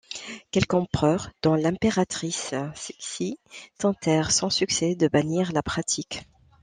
Quelques empereurs, dont l'impératrice Cixi, tentèrent sans succès de bannir la pratique.